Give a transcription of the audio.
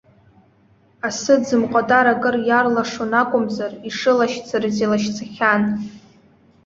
Асы-ӡымҟатар акыр иарлашон акәымзар ишылашьцарыз илашьцахьан.